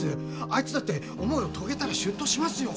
あいつだって思いを遂げたら出頭しますよ。